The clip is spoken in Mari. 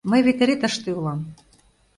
Мый вет эре тыште улам...